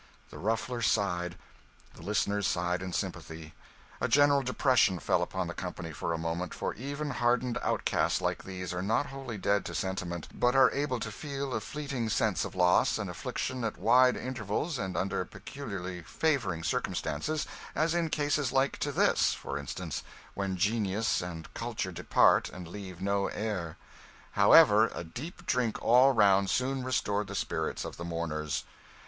The Ruffler sighed; the listeners sighed in sympathy; a general depression fell upon the company for a moment, for even hardened outcasts like these are not wholly dead to sentiment, but are able to feel a fleeting sense of loss and affliction at wide intervals and under peculiarly favouring circumstances as in cases like to this, for instance, when genius and culture depart and leave no heir. However, a deep drink all round soon restored the spirits of the mourners.